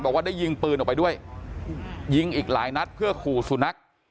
บอกว่าได้ยิงปืนออกไปด้วยยิงอีกหลายนัดเพื่อขู่สุนัข